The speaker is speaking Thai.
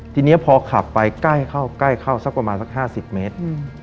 ทีนี้พอขับไปใกล้เข้าใกล้เข้าสักประมาณสัก๕๐เมตร